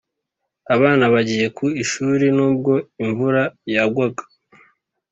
abana bagiye ku ishuri nubwo imvura yagwaga.